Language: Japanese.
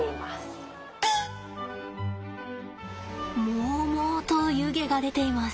もうもうと湯気が出ています。